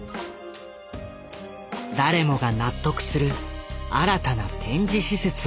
誰もが納得する新たな展示施設を。